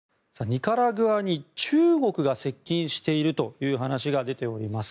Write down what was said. ニカラグアに中国が接近しているという話が出ております。